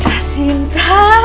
aku akan mencintai angel li